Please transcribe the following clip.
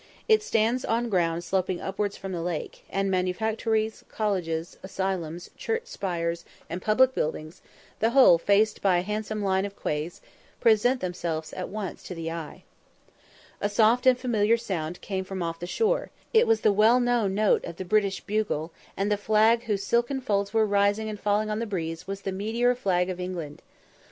It stands on ground sloping upwards from the lake, and manufactories, colleges, asylums, church spires, and public buildings, the whole faced by a handsome line of quays, present themselves at once to the eye. A soft and familiar sound came off from the shore; it was the well known note of the British bugle, and the flag whose silken folds were rising and falling on the breeze was the meteor flag of England.